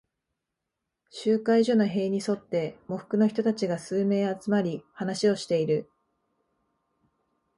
集会所の塀に沿って、喪服の人たちが数名集まり、話をしている。